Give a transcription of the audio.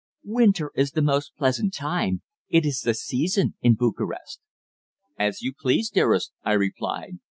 "Winter is the most pleasant time. It is the season in Bucharest." "As you please, dearest," I replied.